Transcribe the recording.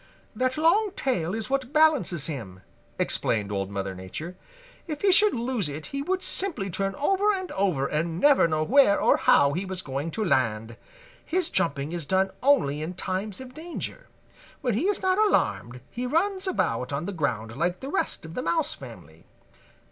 "That long tail is what balances him," explained Old Mother Nature. "If he should lose it he would simply turn over and over and never know where or how he was going to land. His jumping is done only in times of danger. When he is not alarmed he runs about on the ground like the rest of the Mouse family.